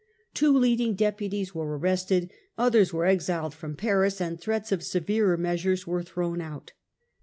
Two leading deputies were arrested, others were exiled from Paris, and threats of severer measures were thrown out.